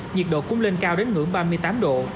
nhiệt độ cũng lên cao đến ngưỡng ba mươi tám độ